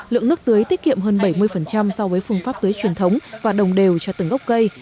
lượng nước tưới tiết kiệm hơn bảy mươi so với phương pháp tưới truyền thống và đồng đều cho từng gốc cây